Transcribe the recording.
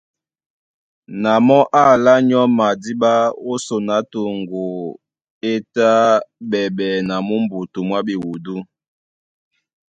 Na mɔ́ é alá nyɔ́ madíɓá ó son á toŋgo é tá ɓɛɓɛ na mú mbutu mwá ɓewudú.